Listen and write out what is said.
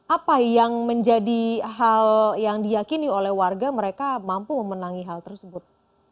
apa yang menjadi hal yang diyakini oleh warga mereka mampu memenangi hal tersebut